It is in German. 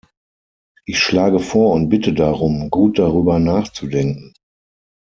Ich schlage vor und bitte darum, gut darüber nachzudenken.